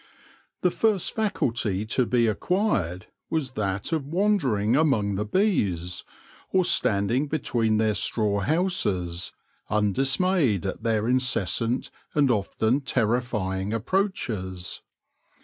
The first faculty to be acquired was that of wan dering among the bees, or standing between their straw houses, undismayed at their incessant and often terrifying approaches.